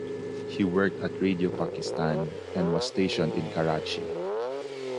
He worked at Radio Pakistan and was stationed in Karachi.